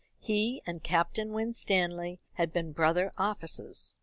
He and Captain Winstanley had been brother officers.